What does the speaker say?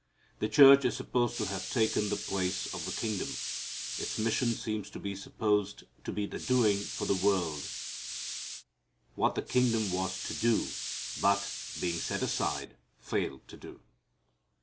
The church is supposed to have taken the place of the kingdom. Its mission seems to be supposed to be the doing for the world what the kingdom was to do, but, being set aside, failed to do.